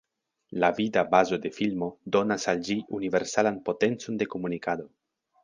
La vida bazo de filmo donas al ĝi universalan potencon de komunikado.